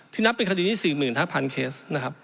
ที่นับเป็นคดีนี่๔๕๐๐๐เคส